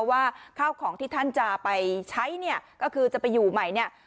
ว่าข้าวของที่ท่านจะไปใช้ก็คือจะไปอยู่ใหม่